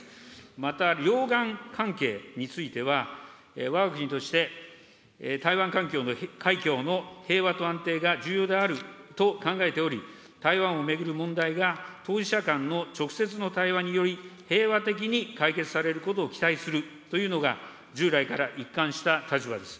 また、両岸関係については、わが国として台湾海峡の平和と安定が重要であると考えており、台湾を巡る問題が当事者間の直接の対話により、平和的に解決されることを期待するというのが、従来から一貫した立場です。